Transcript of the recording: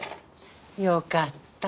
よかった。